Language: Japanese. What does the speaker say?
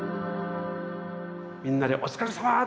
みんなで「お疲れさま！